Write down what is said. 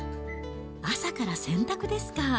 朝から洗濯ですか。